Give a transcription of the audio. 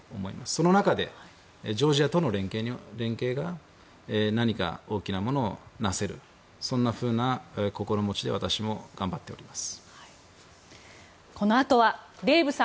その中で、ジョージアとの連携が何か大きなものをなせるそんなふうな心持ちで私も頑張っております。